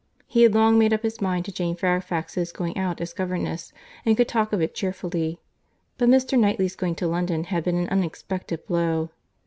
He had long made up his mind to Jane Fairfax's going out as governess, and could talk of it cheerfully, but Mr. Knightley's going to London had been an unexpected blow.